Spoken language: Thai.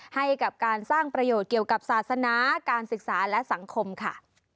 ให้กับการสร้างประโยชน์เกี่ยวกับศาสนาการศึกษาและสังคมค่ะ